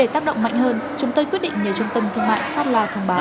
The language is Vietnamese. để tác động mạnh hơn chúng tôi quyết định nhờ trung tâm thương mại phát lo thông báo